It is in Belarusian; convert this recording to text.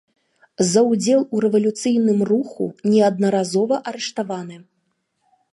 За ўдзел у рэвалюцыйным руху неаднаразова арыштаваны.